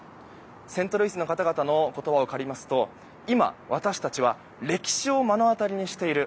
セントルイスの方々の言葉を借りますと今、私たちは歴史を目の当たりにしている。